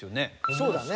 そうだね。